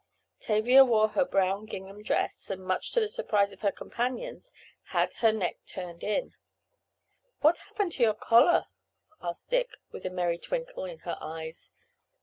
Tavia wore her brown gingham dress, and much to the surprise of her companions, had "her neck turned in." "What happened to your collar?" asked Dick, with a merry twinkle in her eyes.